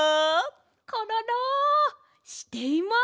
コロロしています！